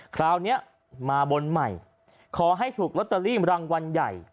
คราวนี้มาบนใหม่ขอให้ถูกลอตเตอรี่รางวัลใหญ่